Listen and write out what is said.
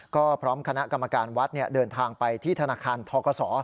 ก็พร้อมคณะกรรมการวัดเดินทางไปที่ธนาคารทกศ